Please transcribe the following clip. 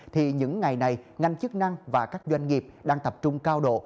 thì những ngày này ngành chức năng và các doanh nghiệp đang tập trung cao độ